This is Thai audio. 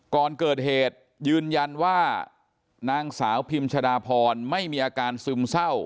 ก่อนเกิดเหตุยืนยันว่านางสาวพิมชดาพรไม่มีอาการซึมเศร้า